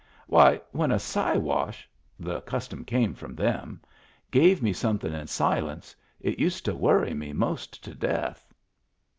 Why, when a Siwash — the custom came from them — gave me somethin' in silence, it used to worry me 'most to death.